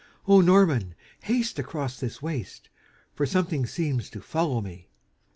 "O Norman, haste across this waste For something seems to follow me!"